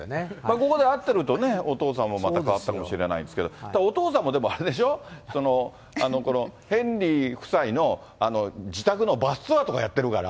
ここで会ってるとね、お父さんもまた変わったかもしれないですけど、お父さんもでもあれでしょ、このヘンリー夫妻の自宅のバスツアーとかやってるから。